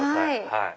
はい。